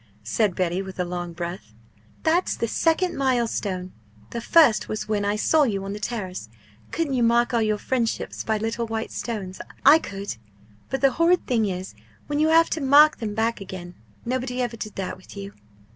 said Betty, with a long breath. "That's the second milestone; the first was when I saw you on the Terrace. Couldn't you mark all your friendships by little white stones? I could. But the horrid thing is when you have to mark them back again! Nobody ever did that with you!"